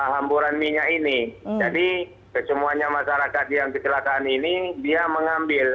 hamburan minyak ini jadi kesemuanya masyarakat yang kecelakaan ini dia mengambil